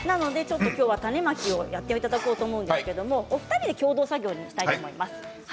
今日は種まきをやっていただこうと思うんですがお二人の共同作業にしたいと思います。